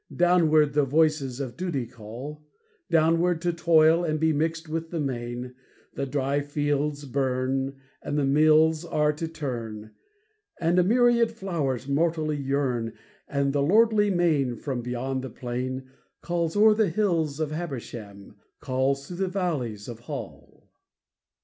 Downward the voices of Duty call Downward, to toil and be mixed with the main, The dry fields burn, and the mills are to turn, And a myriad flowers mortally yearn, And the lordly main from beyond the plain Calls o'er the hills of Habersham, Calls through the valleys of Hall.